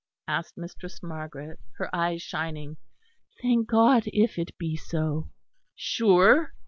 asked Mistress Margaret, her eyes shining. "Thank God, if it be so!" "Sure?"